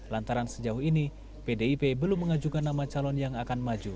lantaran sejauh ini pdip belum mengajukan nama calon yang akan maju